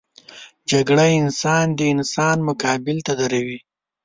جګړه انسان د انسان مقابل ته دروي